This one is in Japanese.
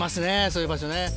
そういう場所ね。